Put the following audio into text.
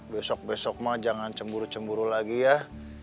besok besok mah jangan cemburu cemburu lagi ya